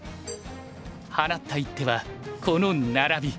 放った一手はこのナラビ。